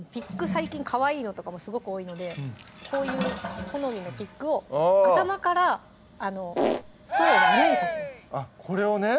最近かわいいのとかもすごく多いのでこういう好みのピックを頭からストローの穴に刺しますこれをね